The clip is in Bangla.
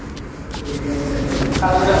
এই, আমি জানিও না তোর বোন কে সেটা!